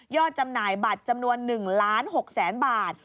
จำหน่ายบัตรจำนวน๑ล้าน๖แสนบาท